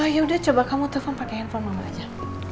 ya udah coba kamu telfon pakai handphone mama aja